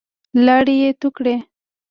لاړې يې تو کړې.